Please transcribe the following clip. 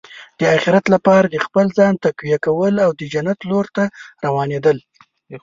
د اخرت لپاره د خپل ځان تقویه کول او د جنت لور ته روانېدل.